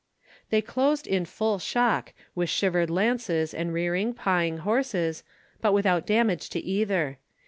They closed in full shock, with shivered lances and rearing, pawing horses, but without damage to either.